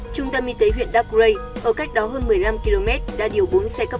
trung tâm y tế huyện đắk rây ở cách đó hơn một mươi năm km đã điều bốn xe cấp